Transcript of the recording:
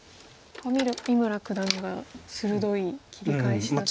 三村九段が鋭い切り返しだった。